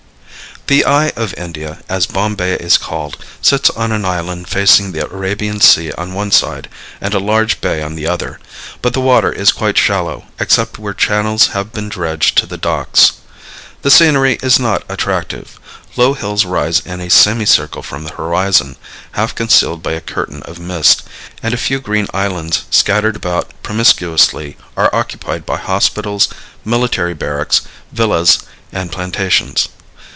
The Eye of India, as Bombay is called, sits on an island facing the Arabian Sea on one side and a large bay on the other, but the water is quite shallow, except where channels have been dredged to the docks. The scenery is not attractive. Low hills rise in a semicircle from the horizon, half concealed by a curtain of mist, and a few green islands scattered about promiscuously are occupied by hospitals, military barracks, villas and plantations.